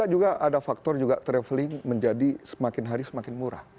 juga ada faktor juga traveling menjadi semakin hari semakin murah